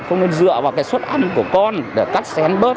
không nên dựa vào cái suất ăn của con để cắt xén bớt